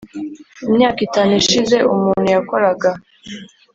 imyaka itanu ishize umuntu yakoraga